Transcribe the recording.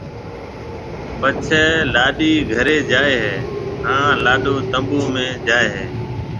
پڇيَ لاڏِي گھرَي جائيَ ھيََََ ھان لاڏو تنمبُو ۾ جائيَ ھيََََ